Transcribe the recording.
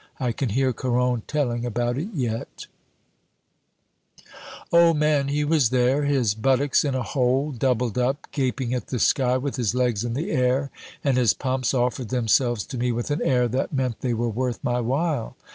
I can hear Caron telling about it yet "Old man, he was there, his buttocks in a hole, doubled up, gaping at the sky with his legs in the air, and his pumps offered themselves to me with an air that meant they were worth my while.